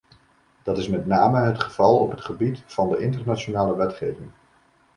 Dat is met name het geval op het gebied van de internationale wetgeving.